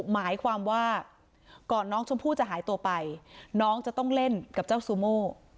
หมายความว่าก่อนน้องชมพู่จะหายตัวไปน้องจะต้องเล่นกับเจ้าซูโม่